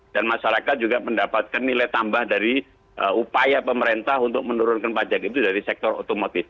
dan masyarakat juga mendapatkan nilai tambah dari upaya pemerintah untuk menurunkan pajak itu dari sektor otomotif